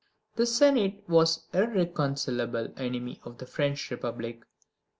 The Senate was the irreconcilable enemy of the French Republic.